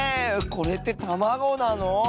これってたまごなの？